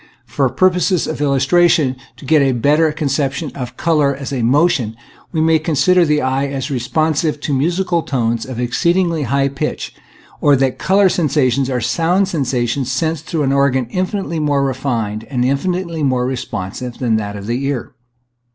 For purposes of illustration and to get a better conception of color as a motion, we may consider the eye as responsive to musical tones of exceedingly high pitch; or, that color sensations are sound sensations sensed through an organ infinitely more refined and infinitely more responsive than that of the ear.